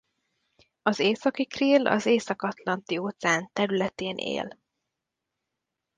Az északi krill az Észak-Atlanti-óceán területén él.